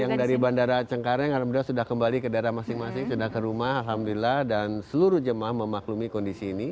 yang dari bandara cengkareng alhamdulillah sudah kembali ke daerah masing masing sudah ke rumah alhamdulillah dan seluruh jemaah memaklumi kondisi ini